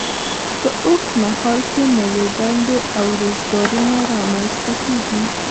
په اوږد مهال کې نوې دندې او روزګارونه رامینځته کیږي.